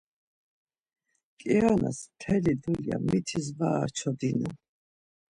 Kianas mteli dulya mitis var açodinen.